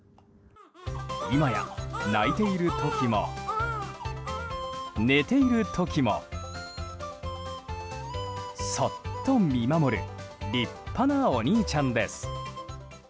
今や、泣いている時も寝ている時もそっと見守る立派なお兄ちゃんです。